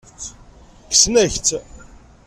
Kksen-ak-tt.